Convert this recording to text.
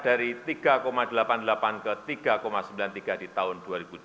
dari tiga delapan puluh delapan ke tiga sembilan puluh tiga di tahun dua ribu dua puluh